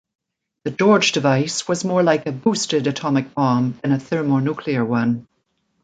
The "George" device was more like a "boosted" atomic bomb than a thermonuclear one.